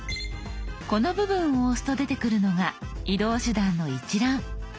この部分を押すと出てくるのが移動手段の一覧。